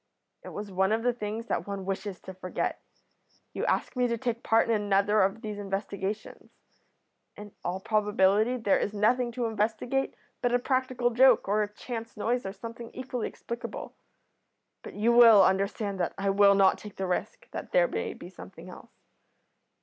It was one of the things that one wishes to forget. You ask me to take part in another of these investigations. In all probability there is nothing to investigate but a practical joke, or a chance noise, or something equally explicable, but you will understand that I will not take the risk that there may be something else."